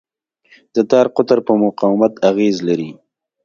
د تار قطر په مقاومت اغېز لري.